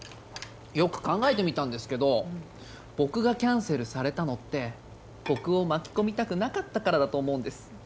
よく考えてみたんですけど僕がキャンセルされたのって僕を巻き込みたくなかったからだと思うんです。